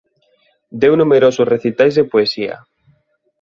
Deu numerosos recitais de poesía.